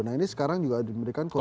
nah ini sekarang juga diberikan kode kode